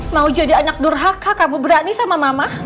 mau jadi anak durhaka kamu berani sama mama